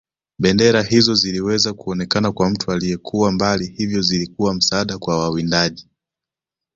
Bendera hizo ziliweza kuonekana kwa mtu aliyekuwa mbali hivyo zilikuwa msaada kwa wawindaji